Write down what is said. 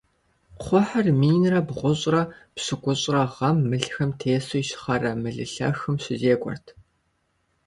Кхъухьыр минрэ бгъущӏрэ пщыкӏущрэ гъэм мылхэм тесу Ищхъэрэ Мылылъэхым щызекӀуэрт.